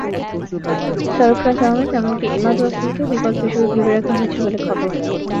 সরফরাজ আহমেদ, এমনকি ইমাদ ওয়াসিমকেও বিকল্প হিসেবে ভেবে রাখা হয়েছে বলে খবর।